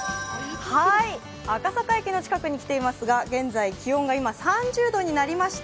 赤阪駅の近くに来ておりますが、現在、気温が３０度になりました。